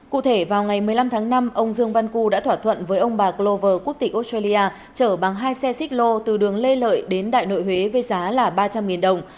cụ thể vào ngày một mươi năm tháng năm ông dương văn cư đã thỏa thuận với ông bà glover quốc tịch australia chở bằng hai xe xích lô từ đường lê lợi đến đại nội huế với giá ba trăm linh đồng